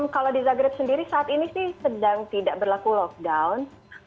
kalau di zagreb sendiri saat ini sih sedang tidak berlaku lockdown